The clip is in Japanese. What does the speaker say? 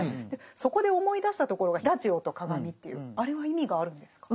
そこで思い出したところが「ラジオと鏡」というあれは意味があるんですか？